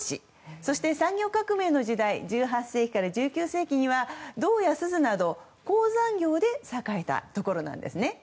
そして、産業革命の時代１８世紀から１９世紀には銅や錫など、鉱山業で栄えたところなんですね。